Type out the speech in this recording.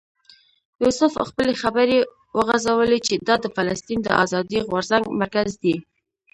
یوسف خپلې خبرې وغځولې چې دا د فلسطین د آزادۍ غورځنګ مرکز دی.